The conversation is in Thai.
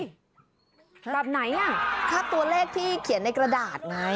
แบบไหนอ่ะถ้าตัวเลขที่เขียนในกระดาษไง